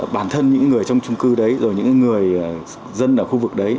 bản thân những người trong trung cư đấy rồi những người dân ở khu vực đấy